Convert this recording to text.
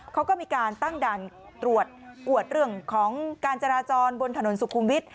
เขาก็มีการตั้งด่านตรวจอวดเรื่องของการจราจรบนถนนสุขุมวิทย